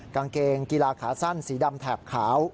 กางเกงกีฬาขาสั้นสีดำแถบขาว